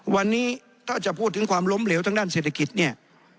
วันนี้ถ้าจะพูดถึงความล้มเหลวทางด้านเศรษฐกิจเนี่ย